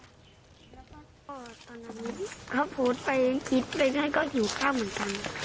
ตอนนั้นเขาโพสต์ไปคิดไปให้ก็หิวข้าวเหมือนกัน